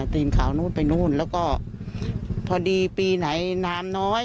ตีนข่าวนู่นไปนู่นแล้วก็พอดีปีไหนน้ำน้อย